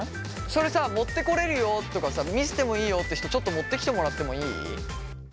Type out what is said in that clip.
それさ持ってこれるよとかさ見せてもいいよって人ちょっと持ってきてもらってもいい？